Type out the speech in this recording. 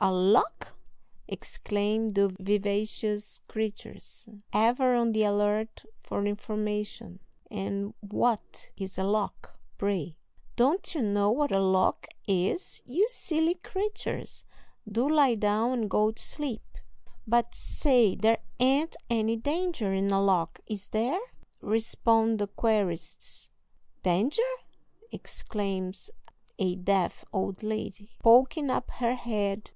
"A lock!" exclaim the vivacious creatures, ever on the alert for information; "and what is a lock, pray?" "Don't you know what a lock is, you silly creatures. Do lie down and go to sleep." "But say, there ain't any danger in a lock, is there?" respond the querists. "Danger!" exclaims a deaf old lady, poking up her head.